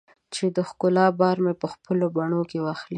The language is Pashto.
چې د ښکلا بار مې خپلو بڼو کې واخلې